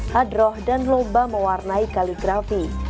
hadroh dan lomba mewarnai kaligrafi